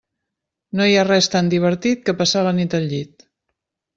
No hi ha res tan divertit que passar la nit al llit.